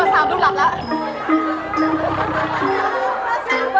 สามดูหลับแล้ว